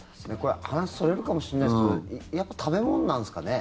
話がそれるかもしれないですけどやっぱり食べ物なんですかね？